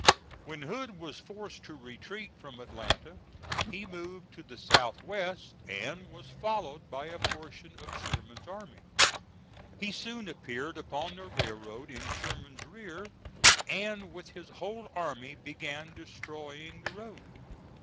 When Hood was forced to retreat from Atlanta he moved to the south west and was followed by a portion of Sherman's army. He soon appeared upon the railroad in Sherman's rear, and with his whole army began destroying the road.